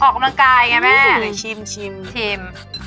ออกกำลังกายใช่ไหมฉิม